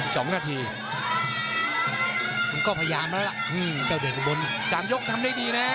สองนาทีมันก็พยายามแล้วล่ะอืมเจ้าเดชอุบลสามยกทำได้ดีนะ